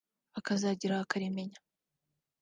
akazagera aho akarimenya